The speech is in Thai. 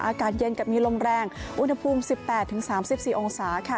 อากาศเย็นกับมีลมแรงอุณหภูมิ๑๘๓๔องศาค่ะ